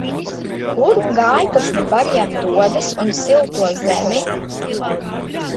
Kur gājputni bariem dodas un silto zemi?